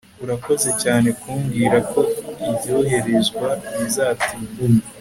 urakoze cyane kumbwira ko ibyoherezwa bizatinda